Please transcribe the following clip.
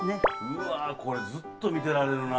うわこれずっと見てられるな。